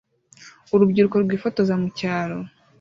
Urubyiruko rwifotoza mu cyaro